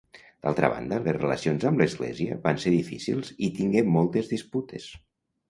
D'altra banda, les relacions amb l'Església van ser difícils i tingué moltes disputes.